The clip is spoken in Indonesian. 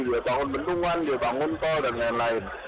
dia bangun bendungan dia bangun tol dan lain lain